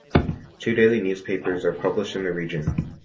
Two daily newspapers are published in the region.